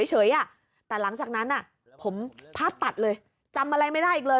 เฉยอ่ะแต่หลังจากนั้นอ่ะผมพาดตัดเลยจำอะไรไม่ได้อีกเลย